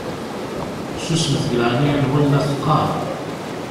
Susmet deg leɛnaya-nwen la teqqaṛ!